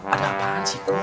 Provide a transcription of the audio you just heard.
ada apaan sih gum